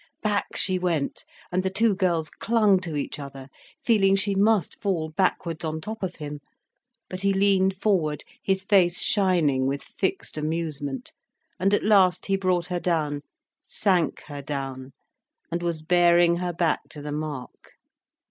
Back she went, and the two girls clung to each other, feeling she must fall backwards on top of him. But he leaned forward, his face shining with fixed amusement, and at last he brought her down, sank her down, and was bearing her back to the mark.